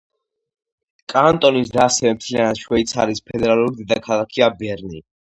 კანტონის და ასევე მთლიანად შვეიცარიის ფედერალური დედაქალაქია ბერნი.